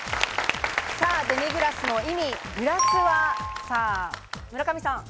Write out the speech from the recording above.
デミグラスの意味、グラスは、さぁ、村上さん。